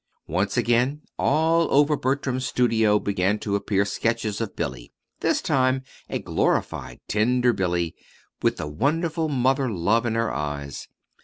Once again all over Bertram's studio began to appear sketches of Billy, this time a glorified, tender Billy, with the wonderful mother love in her eyes.